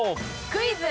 クイズ！